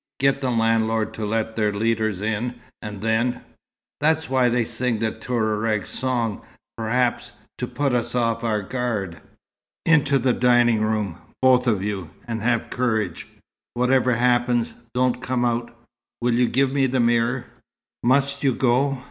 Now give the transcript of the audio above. Get the landlord to let their leaders in, and then.... That's why they sing the Touareg song, perhaps, to put us off our guard." "Into the dining room, both of you, and have courage! Whatever happens, don't come out. Will you give me the mirror?" "Must you go?"